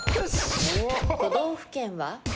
都道府県は？